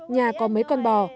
nhà có mấy con bò